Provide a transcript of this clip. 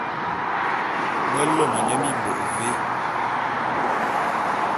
Me lôme nye mimbôk vé?